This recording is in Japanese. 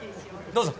どうぞ。